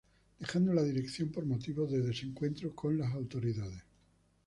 Dejando la dirección por motivos de desencuentro con las autoridades.